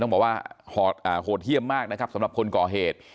ต้องบอกว่าโหดเยี่ยมมากนะครับสำหรับคนก่อเหตุ